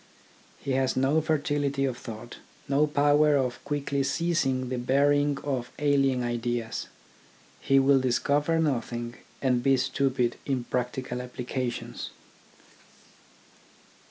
He has no fertility of thought, no power of quickly seizing the bearing of alien ideas. He will discover nothing, and be stupid in practi cal applications.